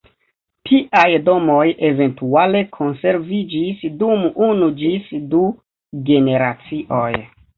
Tiaj domoj eventuale konserviĝis dum unu ĝis du generacioj.